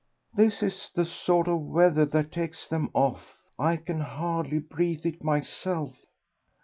"This is the sort of weather that takes them off. I can hardly breathe it myself."